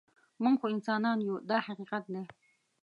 موږ خو انسانان یو دا حقیقت دی.